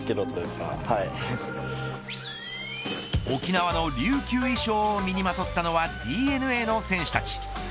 沖縄の琉球衣装を身にまとったのはＤｅＮＡの選手たち。